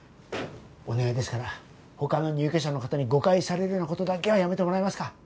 お願いですから他の入居者の方に誤解されるような事だけはやめてもらえますか。